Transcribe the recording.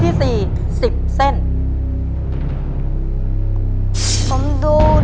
ต้นไม้ประจำจังหวัดระยองการครับ